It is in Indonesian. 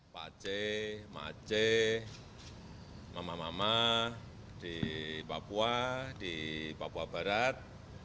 pak aceh mak aceh mama mama di papua di papua barat